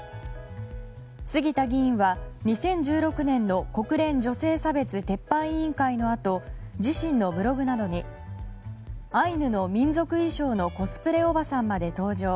杉田議員は２０１６年の国連女性差別撤廃委員会のあと自身のブログなどにアイヌの民族衣装のコスプレおばさんまで登場。